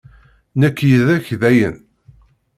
Nekk yid-k, dayen!